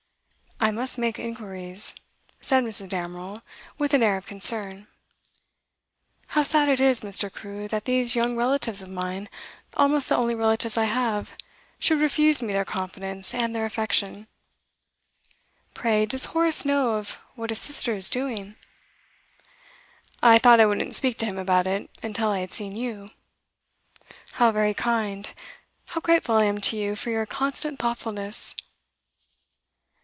'I must make inquiries,' said Mrs. Damerel, with an air of concern. 'How sad it is, Mr. Crewe, that these young relatives of mine, almost the only relatives I have, should refuse me their confidence and their affection. Pray, does Horace know of what his sister is doing?' 'I thought I wouldn't speak to him about it until I had seen you.' 'How very kind! How grateful I am to you for your constant thoughtfulness!